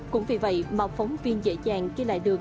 cũng vì vậy màu phóng viên dễ dàng kia lại được